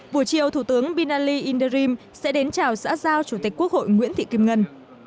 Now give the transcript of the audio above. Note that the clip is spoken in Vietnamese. buổi chiều thủ tướng binali inderrim sẽ đến chào xã giao chủ tịch quốc hội nguyễn thị kim ngân